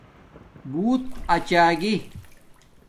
بݸت اچاگی